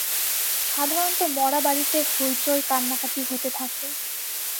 সাধারণত মারা-বাড়িতে হৈচৈ কান্নাকাটি হতে থাকে।